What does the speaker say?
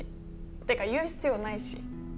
てか言う必要ないし。